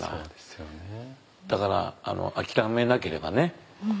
だからあきらめなければね